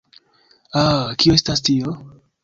Ah, kio estas tio?